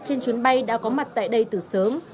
trên chuyến bay đã có mặt tại đây từ sớm